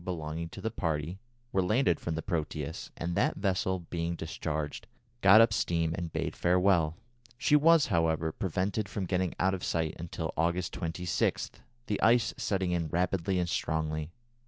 belonging to the party were landed from the Proteus, and that vessel, being discharged, got up steam and bade farewell. She was, however, prevented from getting out of sight until August 26, the ice setting in rapidly and strongly.